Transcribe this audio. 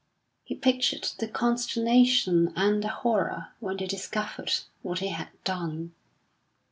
He pictured the consternation and the horror when they discovered what he had done.